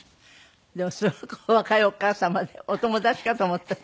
でもすごくお若いお母様でお友達かと思った。